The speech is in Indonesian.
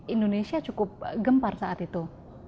indonesia cukup gempar saat itu